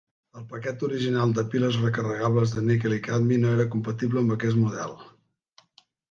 El paquet original de piles recarregables de níquel i cadmi no era compatible amb aquest model.